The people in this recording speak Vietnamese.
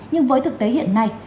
nhưng với thực tế hiện nay